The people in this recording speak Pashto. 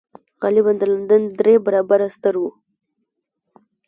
غالباً د لندن درې برابره ستر و